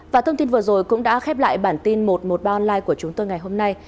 và thông tin vừa rồi cũng đã khép lại bản tin một trăm một mươi ba online của chúng tôi ngày hôm nay